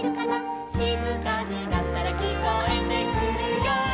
「しずかになったらきこえてくるよ」